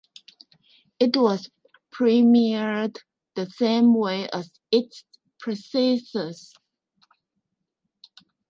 It was premiered the same way as its predecessor.